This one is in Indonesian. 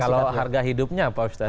kalau harga hidupnya pak ustadz